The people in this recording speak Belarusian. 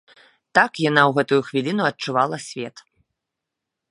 Так яна ў гэтую хвіліну адчувала свет.